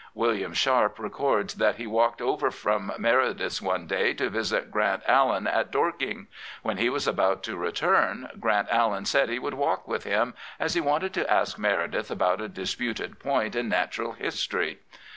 William Sharp records that he walked over from Meredith's one day to visit Grant AUen at Dorking. When he was about to return, Grant Allen said he would walk with him, as he wanted to ask Meredith about a disputed point in natural history.